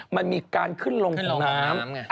มันมีการขึ้นลงของน้ำ